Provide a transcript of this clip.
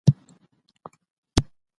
خلګو خپل شته وسایل په کار واچول.